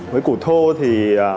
với cụ thô thì